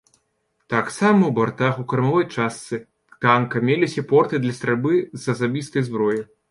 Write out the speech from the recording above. Таксама ў бартах у кармавой частцы танка меліся порты для стральбы з асабістай зброі.